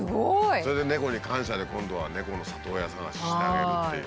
それで猫に感謝で今度は猫の里親探ししてあげるっていう。